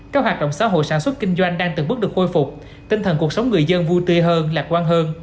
các hoạt động xã hội sản xuất kinh doanh đang từng bước được khôi phục tinh thần cuộc sống người dân vui tươi hơn lạc quan hơn